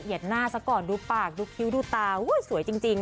เห็นหน้าสักก่อนดูปากดูคิ้วดูตาสวยจริงค่ะ